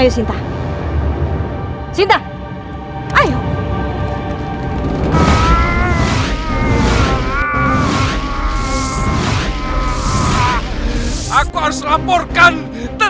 sampai jumpa di video selanjutnya